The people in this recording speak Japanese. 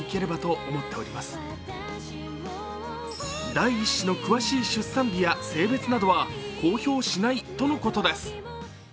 第１子の詳しい出産日や性別などは公表しないとのことです。